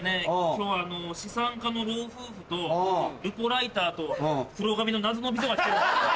今日は資産家の老夫婦とルポライターと黒髪の謎の美女が来てるんですよ。